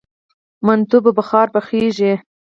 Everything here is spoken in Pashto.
منتو په بخار پخیږي؟